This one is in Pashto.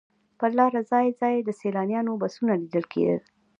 پر لاره ځای ځای د سیلانیانو بسونه لیدل کېدل.